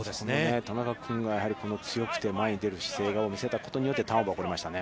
田中君が強くて、前に出る姿勢を見せたことによってターンオーバー起こりましたね。